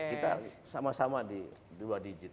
kita sama sama di dua digit